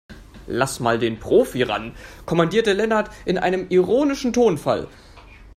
Lass mal den Profi ran, kommandierte Lennart in einem ironischen Tonfall.